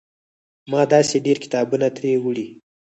ما داسې ډېر کتابونه ترې وړي.